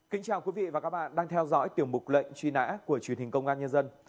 kính chào quý vị và các bạn đang theo dõi tiểu mục lệnh truy nã của truyền hình công an nhân dân